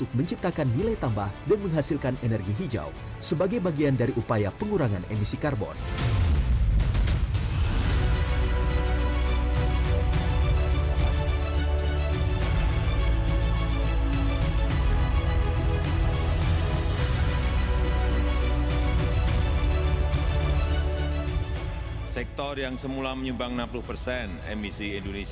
ketiga penanganan kesehatan yang inklusif